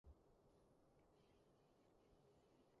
貼身藍色牛仔褲